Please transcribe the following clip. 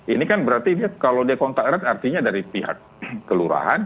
ini kan berarti dia kalau dia kontak erat artinya dari pihak kelurahan